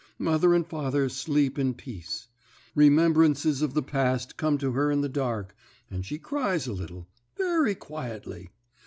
Mother and father sleep in peace. Remembrances of the past come to her in the dark, and she cries a little, very quietly.